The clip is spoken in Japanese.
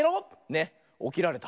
ねおきられた。